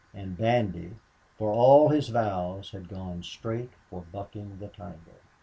And Bandy, for all his vows, had gone straight for bucking the tiger.